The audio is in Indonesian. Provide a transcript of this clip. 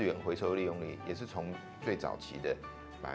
jadi kegunaan sumber sampah kita